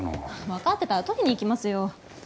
分かってたら取りに行きますよ。